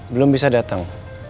belum bisa datang